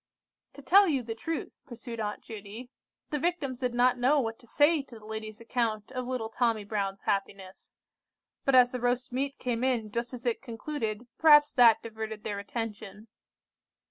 "To tell you the truth," pursued Aunt Judy, "the Victims did not know what to say to the lady's account of little Tommy Brown's happiness; but as the roast meat came in just as it concluded, perhaps that diverted their attention.